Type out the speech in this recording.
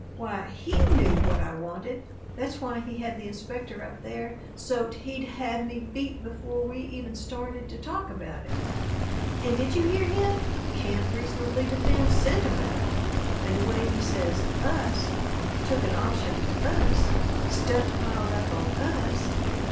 Why, HE knew what I wanted that's why he had the inspector up there, so't he'd have me beat before we even started to talk about it. And did you hear him? 'Can't reasonably defend SENTIMENT!' And the way he says 'Us': 'Took an option for Us'! 'Stuff piled up on Us'!"